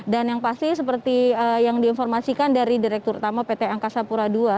dan yang pasti seperti yang diinformasikan dari direktur utama pt angkasa pura ii